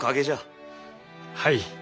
はい。